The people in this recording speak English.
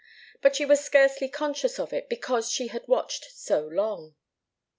But she was scarcely conscious of it, because she had watched so long.